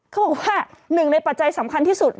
เขาบอกว่าหนึ่งในปัจจัยสำคัญที่สุด